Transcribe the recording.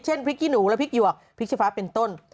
พริกขี้หนูและพริกหยวกพริกชีฟ้าเป็นต้น